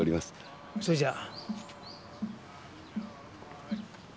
それじゃ。